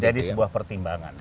menjadi sebuah pertimbangan